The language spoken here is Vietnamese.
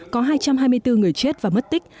có hai trăm hai mươi bốn người chết và mất tích